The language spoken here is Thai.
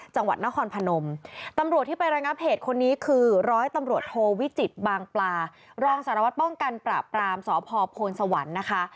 จังหวัดนครพนมตำรวจที่ไประงับเหตุคนนี้คือร้อยตำรวจโทวิจิตบางปลารองสารวัตรป้องกันปราบปรามสพโพนสวรรค์นะคะ